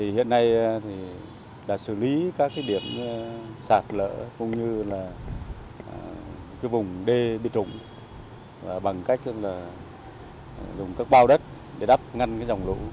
hiện nay đã xử lý các điểm sạt lỡ cũng như là vùng đê bị trụng bằng cách dùng các bao đất để đắp ngăn dòng lũ